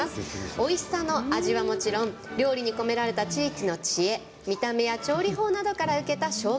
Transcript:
おいしさの味はもちろん料理に込められた地域の知恵見た目や調理法などから受けた衝撃。